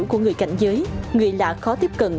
của người cảnh giới người lạ khó tiếp cận